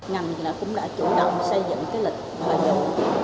ngành cũng đã chủ động xây dựng lịch hợp dụng